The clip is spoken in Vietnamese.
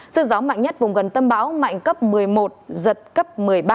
sức gió mạnh nhất vùng gần tâm bão mạnh cấp một mươi một giật cấp một mươi ba